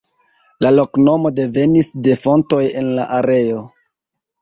La loknomo devenis de fontoj en la areo.